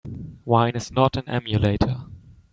Wine is not an emulator.